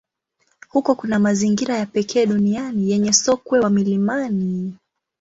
Huko kuna mazingira ya pekee duniani yenye sokwe wa milimani.